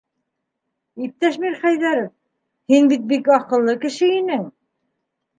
Иптәш Мирхәйҙәров, һин бит бик аҡыллы кеше инең.